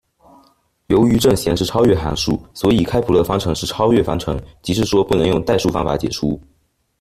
由于正弦是超越函数，所以开普勒方程是超越方程，即是说不能用代数方法解出。